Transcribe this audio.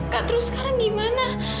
kak terus sekarang gimana